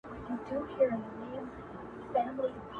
• سلامونه په عربي اماراتو کي به مي دا اخیري غزل وي..